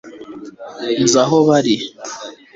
nzi aho bari